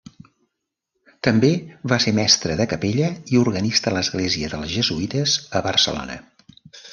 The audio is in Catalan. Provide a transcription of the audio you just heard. També va ser mestre de capella i organista a l'església dels jesuïtes a Barcelona.